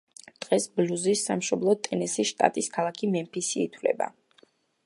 დღეს ბლუზის სამშობლოდ ტენესის შტატის ქალაქი მემფისი ითვლება.